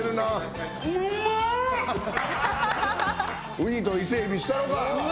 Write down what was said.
ウニと伊勢エビしたろか！